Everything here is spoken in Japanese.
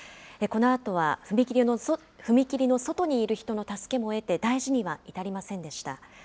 このあとは踏切の外にいる人の助けも得て、大事には至りませんでした。